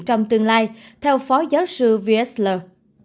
trong tương lai theo phó giáo sư wiesler